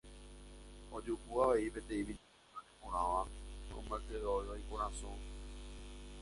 Ojuhu avei peteĩ mitãkuña neporãva omyangekóiva ikorasõ.